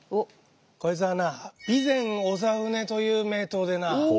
こいつはな備前長船という名刀でな